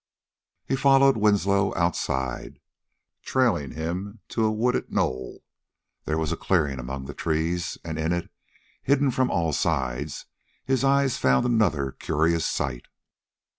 He followed Winslow outside, trailing him toward a wooded knoll. There was a clearing among the trees. And in it, hidden from all sides, his eyes found another curious sight.